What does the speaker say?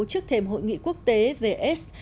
trước thềm hội nghị quốc tế về aids